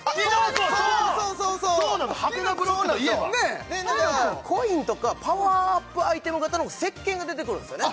そうそうそうそうそうなのハテナブロックといえばコインとかパワーアップアイテム形の石鹸が出てくるんですよね